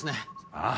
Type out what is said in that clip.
ああ。